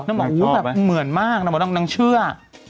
นางตอบไหมโอ้โหแบบเหมือนมากนางเชื่อ